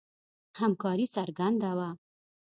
همکاري څرګنده وه.